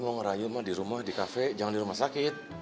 mau ngerayu mah di rumah di kafe jangan di rumah sakit